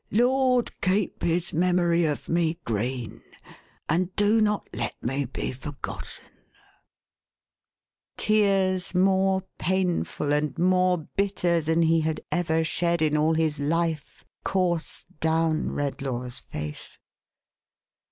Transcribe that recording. —' Lord, keep his memory of rne, green, and do not let me be forgotten !'" Tears more painful, and more bitter than he had ever shed in all his life, coursed down Redlaw's face.